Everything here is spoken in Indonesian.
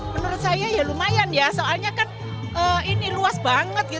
menurut saya ya lumayan ya soalnya kan ini luas banget